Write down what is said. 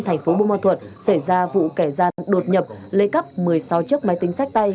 thành phố bô ma thuật xảy ra vụ kẻ gian đột nhập lấy cắp một mươi sáu chiếc máy tính sách tay